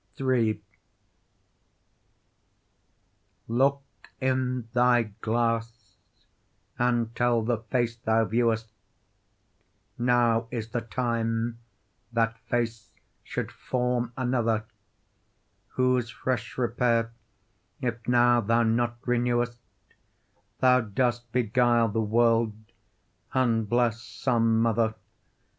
III Look in thy glass and tell the face thou viewest Now is the time that face should form another; Whose fresh repair if now thou not renewest, Thou dost beguile the world, unbless some mother.